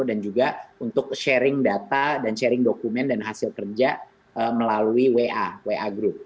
juga untuk sharing data dan sharing dokumen dan hasil kerja melalui wa wa group